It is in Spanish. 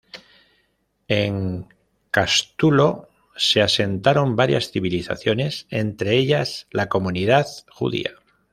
En Cástulo se asentaron varias civilizaciones, entre ellas, la comunidad judía.